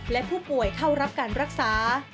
และผู้ป่วยเข้ารับการรักษา